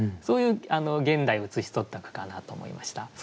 そういう現代を写し取った句かなと思いました。